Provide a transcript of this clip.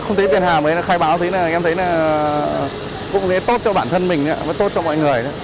không thấy tiền hàm khai báo em thấy tốt cho bản thân mình tốt cho mọi người